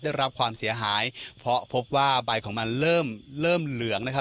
ได้รับความเสียหายพอพบว่าใบของมันเลิ่มเหลืองนะครับ